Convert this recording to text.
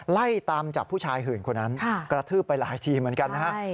ไล่ตามจับผู้ชายหื่นคนนั้นกระทืบไปหลายทีเหมือนกันนะฮะ